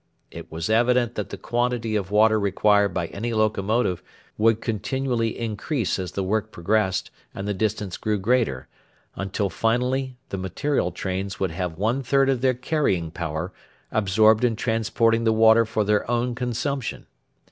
It was evident that the quantity of water required by any locomotive would continually increase as the work progressed and the distance grew greater, until finally the material trains would have one third of their carrying power absorbed in transporting the water for their own consumption.